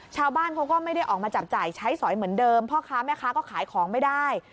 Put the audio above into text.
ชาวบ้านเขาก็ไม่ได้ออกมาจับจ่ายใช้สอยเหมือนเดิมพ่อค้าแม่ค้าก็ขายของไม่ได้